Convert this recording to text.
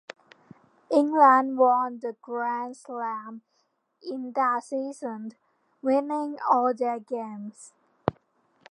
England won the Grand Slam in that season, winning all their games.